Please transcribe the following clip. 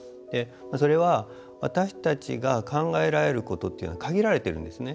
それは私たちが考えられることというのは限られているんですね。